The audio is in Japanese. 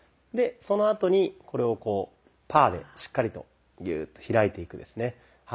でそのあとにこれをこうパーでしっかりとギューッと開いていくですね。